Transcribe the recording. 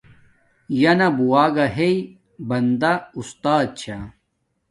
یانا بووگا ہݵ بندا اُستات چھا